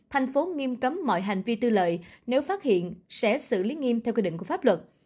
thành phố nghiêm cấm mọi hành vi tư lợi nếu phát hiện sẽ xử lý nghiêm theo quy định của pháp luật